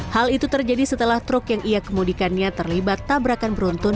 hal itu terjadi setelah truk yang ia kemudikannya terlibat tabrakan beruntun